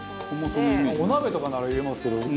「お鍋とかなら入れますけどなんか」